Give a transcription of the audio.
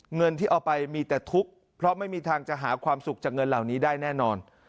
เงินที่เอาไปมีแต่ทุกข์เพราะไม่มีทางจะหาความสุขจากเงินเหล่านี้ได้แน่นอน